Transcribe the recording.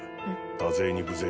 多勢に無勢。